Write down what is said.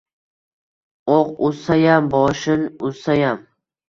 Oʻq uzsayam, boshin uzsayam